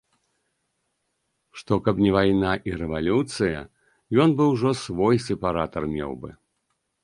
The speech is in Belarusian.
Што, каб не вайна і рэвалюцыя, ён бы ўжо свой сепаратар меў бы.